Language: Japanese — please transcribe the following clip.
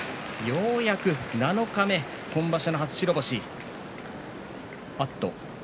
ようやく七日目、今場所の初白星。